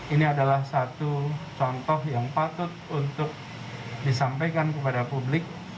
ini adalah satu contoh yang patut untuk disampaikan kepada publik